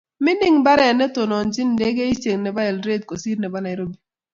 mining mbaret ne tononchini ndegesiek nebo Eldoret kosir nebo Nairobi